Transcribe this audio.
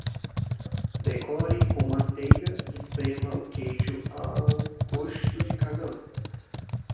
Decore com manteiga e esprema o queijo ao gosto de cada um.